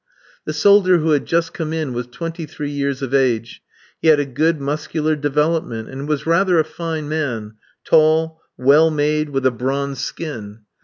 The soldier who had just come in was twenty three years of age; he had a good muscular development, and was rather a fine man, tall, well made, with a bronzed skin.